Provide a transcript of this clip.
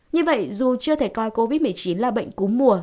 như vậy dù chưa thể coi covid một mươi chín là bệnh cúm mùa